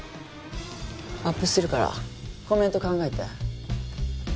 アップするからコメント考えて。